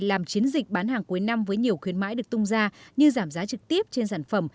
làm chiến dịch bán hàng cuối năm với nhiều khuyến mãi được tung ra như giảm giá trực tiếp trên sản phẩm